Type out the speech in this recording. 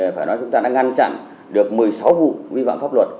phải nói chúng ta đã ngăn chặn được một mươi sáu vụ vi phạm pháp luật